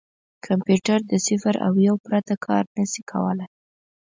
کمپیوټر د صفر او یو پرته کار نه شي کولای.